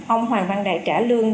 ông hoàng văn đại trả lương